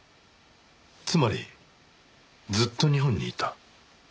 つまりずっと日本にいた？